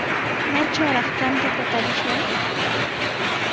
¿Maytrawraq tantata tarishwan?